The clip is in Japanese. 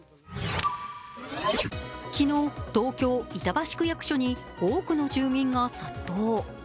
昨日、東京・板橋区役所に多くの住民が殺到。